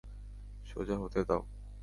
সোজা হতে দাও!